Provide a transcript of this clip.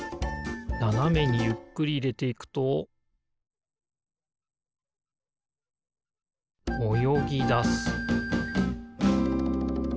ななめにゆっくりいれていくとおよぎだす